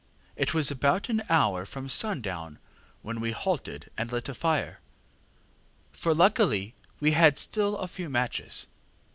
It was about an hour from sundown when we halted and lit a fire for luckily we had still a few matches.